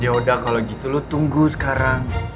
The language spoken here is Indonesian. ya udah kalau gitu lu tunggu sekarang